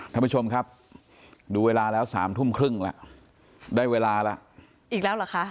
ท่านผู้ชมครับดูเวลาแล้วสามทุ่มครึ่งแล้วได้เวลาแล้วอีกแล้วเหรอคะ